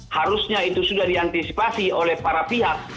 harusnya itu sudah diantisipasi oleh para pihak